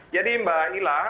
jadi mbak ila